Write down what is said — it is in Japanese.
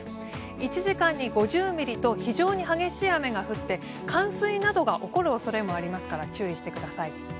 １時間に５０ミリと非常に激しい雨が降って冠水などが起こる恐れもありますから注意してください。